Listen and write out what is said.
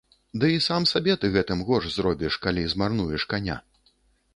Ды і сам сабе ты гэтым горш зробіш, калі змарнуеш каня.